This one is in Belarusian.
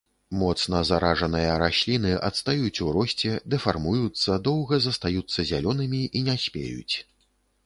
Моцна заражаныя расліны адстаюць у росце, дэфармуюцца, доўга застаюцца зялёнымі і не спеюць.